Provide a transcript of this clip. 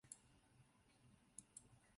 八公山下也是豆腐的发源地。